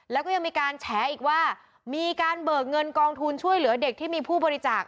แล้วก็ยังมีการแฉอีกว่ามีการเบิกเงินกองทุนช่วยเหลือเด็กที่มีผู้บริจาค